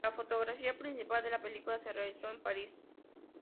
La fotografía principal de la película se realizó en París.